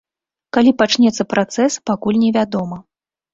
Калі пачнецца працэс, пакуль невядома.